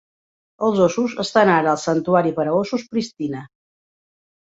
Els óssos estan ara al Santuari per a óssos Prishtina.